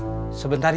manis sedang atau pahit